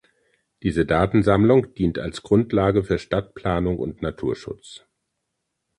Diese Datensammlung dient als Grundlage für Stadtplanung und Naturschutz.